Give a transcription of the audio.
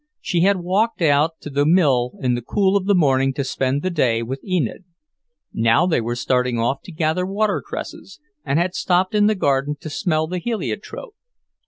She had walked out to the mill in the cool of the morning to spend the day with Enid. Now they were starting off to gather water cresses, and had stopped in the garden to smell the heliotrope.